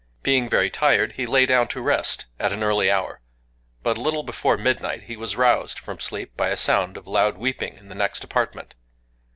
Being very tired, he lay down to rest at an early hour; but a little before midnight he was roused from sleep by a sound of loud weeping in the next apartment.